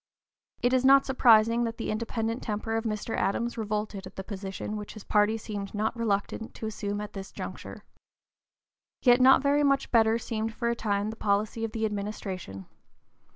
It is not surprising that the independent temper of Mr. Adams revolted at the position which his party seemed not reluctant to assume at this juncture. Yet not very much better seemed for a time the policy of the administration.